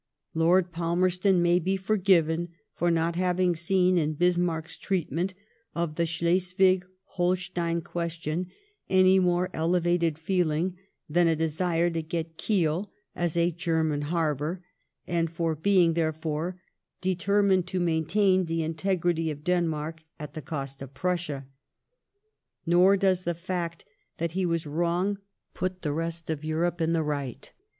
Lord Palmerston may be forgiven for not having seen in Bismarck's treatment of the Schleswig Holstein question any more elevated feeling^ than a desire to get Kiel as a German harbour, and for being, therefore, determined to maintain the integrity of Denmark at the cost of Prussia. Nor does the fact that he was wrong put the rest of Europe in the right.